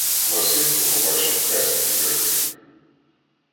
Василько побачив хрест і зрадів.